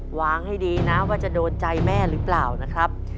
หวังให้ดีนะว่าจะโดนใจแม่หรือเปล่านะครับ